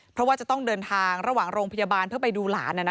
เพราะว่าจะต้องเดินทางระหว่างโรงพยาบาลเพื่อไปดูหลาน